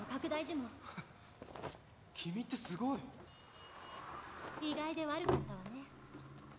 呪文君ってすごい意外で悪かったわね